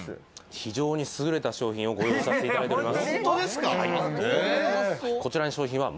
非常にすぐれた商品をご用意させていただきます。